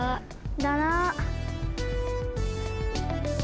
だな。